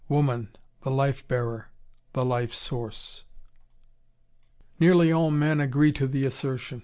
Woman, the life bearer, the life source. Nearly all men agree to the assertion.